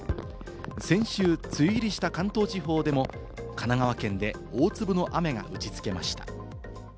先週、梅雨入りした関東地方でも、神奈川県で大粒の雨が打ち付けました。